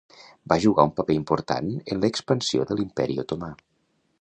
Va jugar un paper important en l'expansió de l'Imperi Otomà.